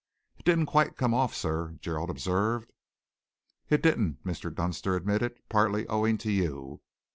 "It didn't quite come off, sir," Gerald observed. "It didn't," Mr. Dunster admitted, "partly owing to you.